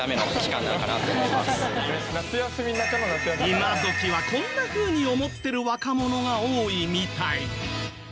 今どきはこんなふうに思ってる若者が多いみたい。